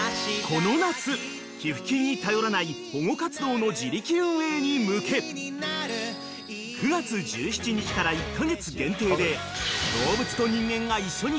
［この夏寄付金に頼らない保護活動の自力運営に向け９月１７日から１カ月限定で］